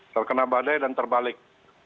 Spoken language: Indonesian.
terkena badai dan terbalik